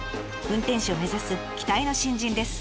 運転士を目指す期待の新人です。